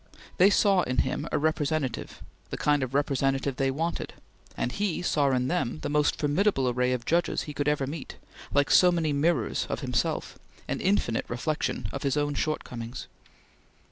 They saw in him a representative the kind of representative they wanted and he saw in them the most formidable array of judges he could ever meet, like so many mirrors of himself, an infinite reflection of his own shortcomings.